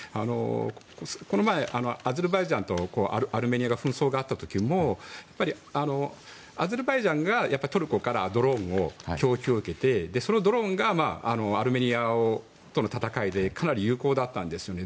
この前、アゼルバイジャンとアルメニアが紛争があった時もアゼルバイジャンがトルコからドローンの供給を受けてそのドローンがアルメニアとの戦いでかなり有効だったんですよね。